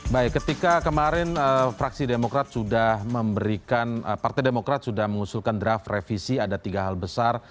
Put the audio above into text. baik ketika kemarin partai demokrat sudah mengusulkan draft revisi ada tiga hal besar